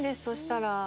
そしたら。